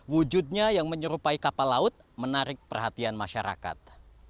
wujudnya yang menyerupai kapal laut menarik perhatian masyarakat